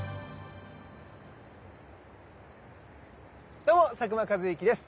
どうも佐久間一行です。